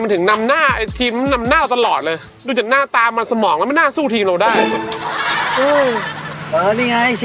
หือนี่ไงนี่เดี๋ยวเข้าไปเลยเดี๋ยวไหม